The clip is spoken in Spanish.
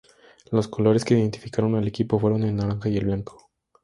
Los colores que identificaron al equipo fueron el naranja y el blanco.